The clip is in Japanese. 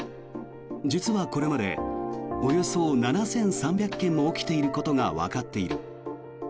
実はこれまでおよそ７３００件も起きていることがわかっている。